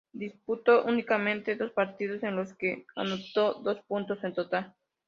Disputó únicamente dos partidos, en los que anotó dos puntos en total.